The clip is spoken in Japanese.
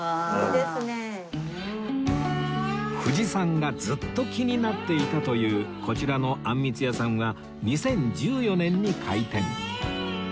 藤さんがずっと気になっていたというこちらのあんみつ屋さんは２０１４年に開店